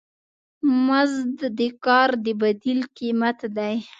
مزد د کار د بدیل قیمت دی.